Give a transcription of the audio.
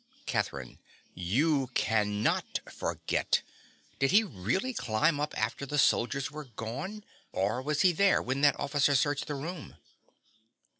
CATHERINE. You cannot forget! Did he really climb up after the soldiers were gone, or was he there when that officer searched the room?